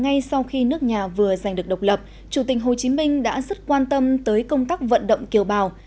ngay sau khi nước nhà vừa giành được độc lập chủ tịch hồ chí minh đã rất quan tâm tới công tác vận động kiều bào